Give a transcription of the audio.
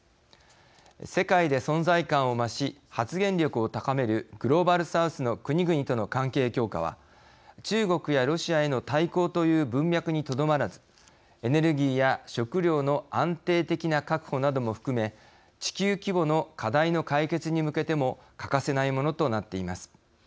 世界で存在感を増し発言力を高めるグローバル・サウスの国々との関係強化は中国やロシアへの対抗という文脈にとどまらずエネルギーや食料の安定的な確保なども含め地球規模の課題の解決に向けても欠かせないものとなっています。